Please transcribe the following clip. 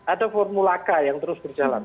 ada formula k yang terus berjalan